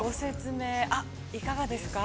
◆いかがですか。